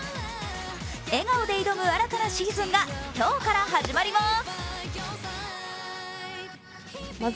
笑顔で挑む新たなシーズンが今日から始まります。